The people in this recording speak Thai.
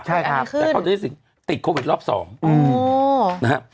ใช่ครับแต่เขาได้ติดโควิดรอบสองอืมนะฮะ